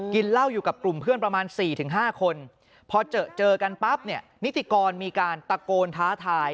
กินเหล้าอยู่กับกลุ่มเพื่อนประมาณ๔๕คนพอเจอเจอกันปั๊บเนี่ยนิติกรมีการตะโกนท้าทาย